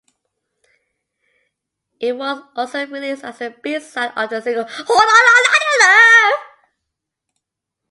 It was also released as the b-side of the single "Whole Lotta Love".